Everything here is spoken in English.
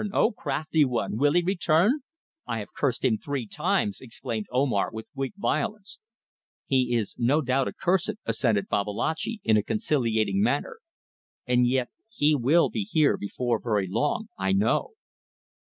O crafty one! Will he return? I have cursed him three times," exclaimed Omar, with weak violence. "He is no doubt accursed," assented Babalatchi, in a conciliating manner "and yet he will be here before very long I know!"